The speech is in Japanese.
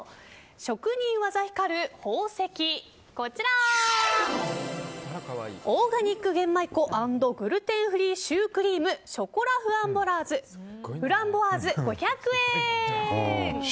職人技光る宝石オーガニック玄米粉＆グルテンフリーシュークリームショコラフランボワーズ５００円！